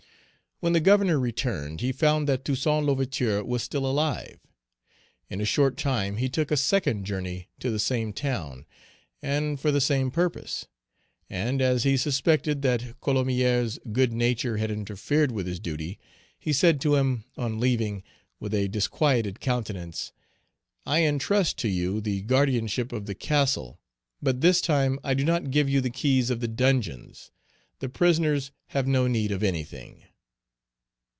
When the Governor returned, he found that Toussaint L'Ouverture was still alive. In a short time he took a second journey to the same town, and for the same purpose; and, as he suspected that Colomier's good nature had interfered with his duty, he said to him, on leaving, with a disquieted countenance, "I intrust to you the guardianship of the castle; but this time I do not give you the keys of the dungeons; the prisoners have no need of anything."